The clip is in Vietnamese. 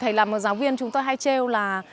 thầy là một giáo viên chúng tôi hay trêu là